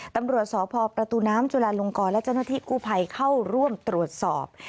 ตำรวจสพประตูน้ำจุลาลงกรและเจ้าหน้าที่กู้ภัยเข้าร่วมตรวจสอบ